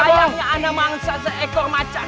kayaknya ana mangsa seekor macan